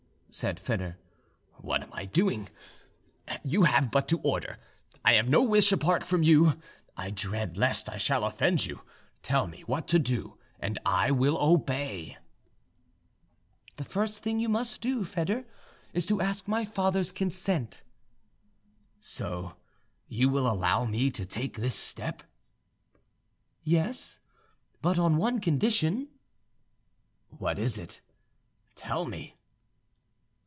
said Foedor. "What am I doing? You have but to order: I have no wish apart from you. I dread lest I shall offend you. Tell me what to do, and I will obey." "The first thing you must do, Foedor, is to ask my father's consent." "So you will allow me to take this step?" "Yes, but on one condition." "What is it? Tell me."